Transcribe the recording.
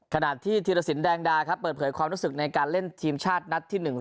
ขณะที่ธีรสินแดงดาครับเปิดเผยความรู้สึกในการเล่นทีมชาตินัดที่๑๑